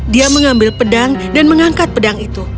dia mengambil pedang dan mengangkat pedang itu